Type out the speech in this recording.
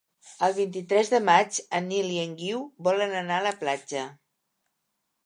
El vint-i-tres de maig en Nil i en Guiu volen anar a la platja.